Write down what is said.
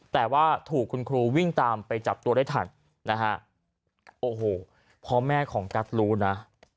แต่ว่าถูกคุณครูวิ่งตามไปจับตัวได้ทันนะฮะโอ้โหพอแม่ของกัสรู้นะ